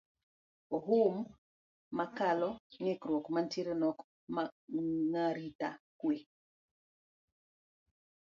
Ohum mokalo ng`ikruok mantiere nok mag arita kwe